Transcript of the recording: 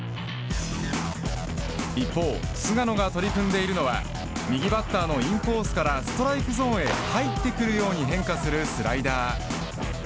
一方、菅野が取り組んでいるのは右バッターのインコースからストライクゾーンへ入ってくるように変化するスライダー。